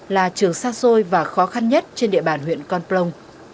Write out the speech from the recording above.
là trường xa xôi và khó khăn nhất trên địa bàn huyện con plong